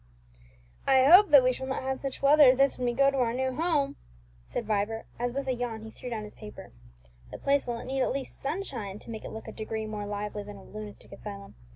"I hope that we shall not have such weather as this when we go to our new home," said Vibert, as with a yawn he threw down his paper. "The place will need at least sunshine to make it look a degree more lively than a lunatic asylum.